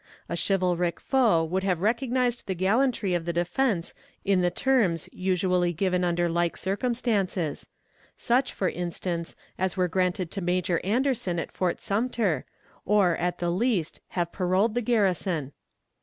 A chivalric foe would have recognized the gallantry of the defense in the terms usually given under like circumstances; such, for instance, as were granted to Major Anderson at Fort Sumter, or, at the least, have paroled the garrison.